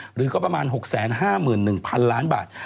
หรือก็ประมาณ๖๕๑๐๐๐ล้านบาท